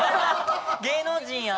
芸能人や。